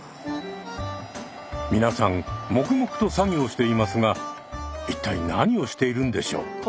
皆さん黙々と作業していますが一体何をしているんでしょう？